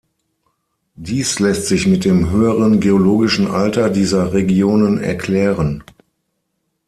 Dies lässt sich mit dem höheren geologischen Alter dieser Regionen erklären.